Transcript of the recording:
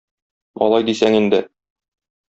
Алай дисәң инде.